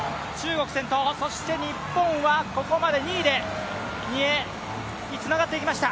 日本はここまで２位で２泳につながっていきました。